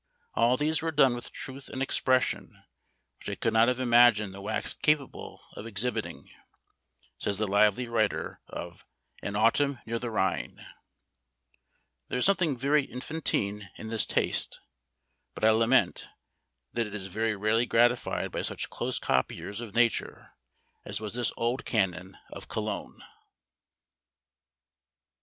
"All these were done with truth and expression which I could not have imagined the wax capable of exhibiting," says the lively writer of "An Autumn near the Rhine." There is something very infantine in this taste; but I lament that it is very rarely gratified by such close copiers of nature as was this old canon of Cologne.